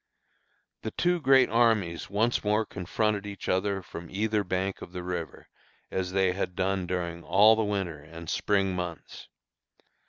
The two great armies once more confronted each other from either bank of the river, as they had done during all the winter and spring months.